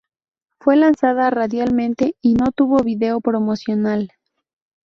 Fue lanzada radialmente y no tuvo video promocional.